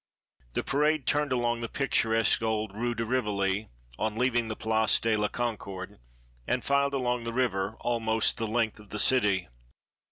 The parade turned along the picturesque old Rue de Rivoli on leaving the Place de la Concorde, and filed along the river, almost the length of the city.